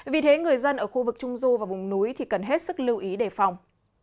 vì thế người dân ở khu vực trung du và vùng núi cần hết sức lưu ý đề phòng